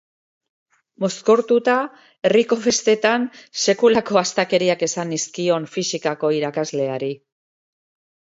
Mozkortuta, herriko festetan sekulako astakeriak esan nizkion fisikako irakasleari.